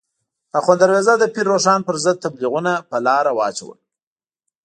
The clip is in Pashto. اخوند درویزه د پیر روښان پر ضد تبلیغونه په لاره واچول.